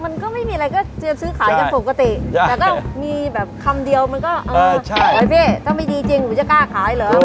มันก็ไม่มีอะไรก็จะซื้อขายกันปกติแต่ก็มีแบบคำเดียวมันก็เออใช่พี่ถ้าไม่ดีจริงหนูจะกล้าขายเหรอ